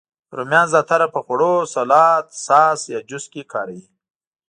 رومیان زیاتره په خوړو، سالاد، ساس، یا جوس کې کاروي